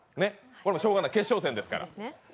しようがない、決勝戦ですから。